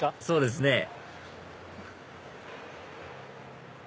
そうですね